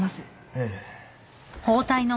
ええ。